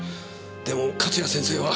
でも勝谷先生は。